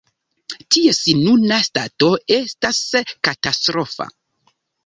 Ties nuna stato estas katastrofa.